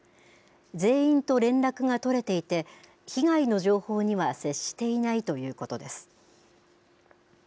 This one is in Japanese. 全員と連絡が取れていて被害の情報には接していないということです。